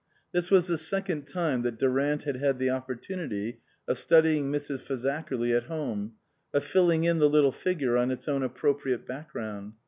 This was the second time that Durant had had the oppor tunity of studying Mrs. Fazakerly at home, of filling in the little figure on its own appropriate background.